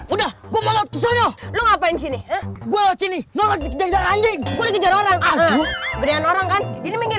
udah gue mau lo ngapain sini sini anjing orang orang kan